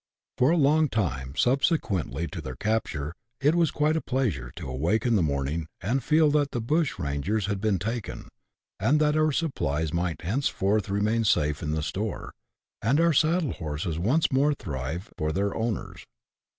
For a long time subsequently to their capture, it was quite a pleasure to awake in the morning, and feel that " the bush rangers had been taken," and that our supplies might thenceforth remain safe in the store, and our saddle horses once more thrive for their owners.